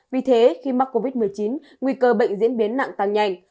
vì thế khi mắc covid một mươi chín nguy cơ bệnh diễn biến nặng tăng nhanh